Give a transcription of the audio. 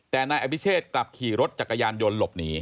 แต่นายอภิเชษกลับขี่รถจักรยานยนต์หลบหนี